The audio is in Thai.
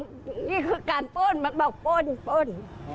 นี่คือการป้นมันบอกป้นป้น